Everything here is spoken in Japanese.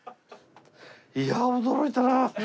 いや驚いたな！